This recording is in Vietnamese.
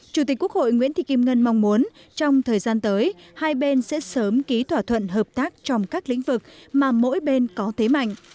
chủ tịch quốc hội nguyễn thị kim ngân mong muốn trong thời gian tới hai bên sẽ sớm ký thỏa thuận hợp tác trong các lĩnh vực mà mỗi bên có thế mạnh